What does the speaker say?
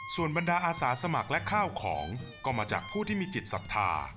ส่วนบรรดาอาสาสมัครและข้าวของก็มาจากผู้ที่มีจิตศรัทธา